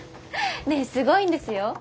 ねえすごいんですよ。